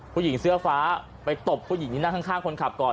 ผู้หญิงเสื้อฟ้าไปตบผู้หญิงที่นั่งข้างคนขับก่อน